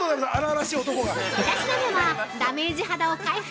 ◆２品目は、ダメージ肌を回復！